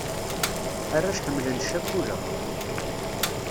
Arrac ḥemmlen ccakula.